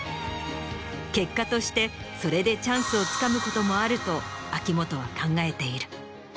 結果としてそれでチャンスをつかむこともあると秋元は考えている。